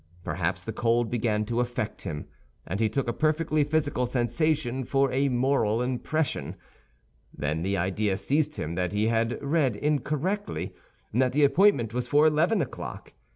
Perhaps the cold began to affect him, and he took a perfectly physical sensation for a moral impression. Then the idea seized him that he had read incorrectly, and that the appointment was for eleven o'clock.